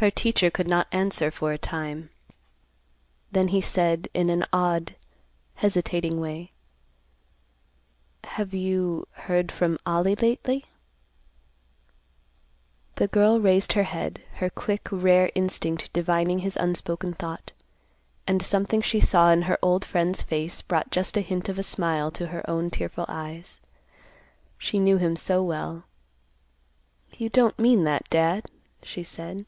Her teacher could not answer for a time; then he said, in an odd, hesitating way, "Have you heard from Ollie lately?" The girl raised her head, her quick, rare instinct divining his unspoken thought, and something she saw in her old friend's face brought just a hint of a smile to her own tearful eyes. She knew him so well. "You don't mean that, Dad," she said.